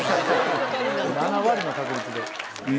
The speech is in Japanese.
７割の確率で。